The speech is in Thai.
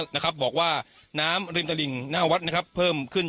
นะครับบอกว่าน้ำริมตลิ่งหน้าวัดนะครับเพิ่มขึ้น